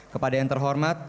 kepada yang terhormat